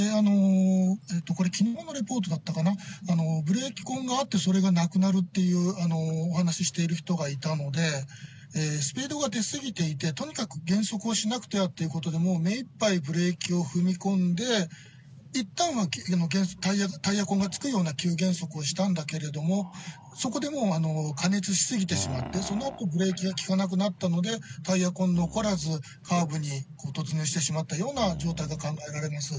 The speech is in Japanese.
これ、きのうのレポートだったかな、ブレーキ痕があって、それがなくなるっていうお話している人がいたので、スピードが出過ぎていて、とにかく減速をしなくてはということで、もう目いっぱいブレーキを踏み込んで、いったんはタイヤ痕がつくような急減速をしたんだけれども、そこでもう、過熱しすぎてしまって、そのあとブレーキが利かなくなったので、タイヤ痕残らず、カーブに突入してしまったような状態が考えられます。